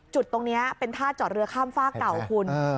จุดตรงนี้เป็นท่าจอดเรือข้ามฝากเก่าคุณ